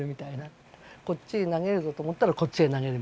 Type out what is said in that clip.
こっちへ投げるぞと思ったらこっちへ投げるみたいな。